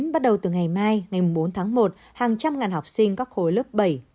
bắt đầu từ ngày mai ngày bốn tháng một hàng trăm ngàn học sinh các khối lớp bảy tám chín một mươi một mươi một một mươi hai